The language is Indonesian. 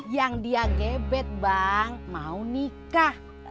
yang dia gebet bang mau nikah